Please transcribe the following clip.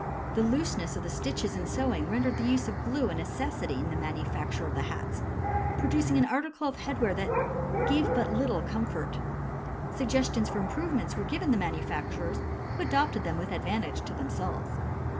The looseness of the stitches in sewing rendered the use of glue a necessity in the manufacture of the hats, producing an article of headwear that gave but little comfort. Suggestions for improvements were given the manufacturers, who adopted them with advantage to themselves.